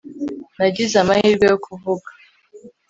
nagize amahirwe yo kuvuga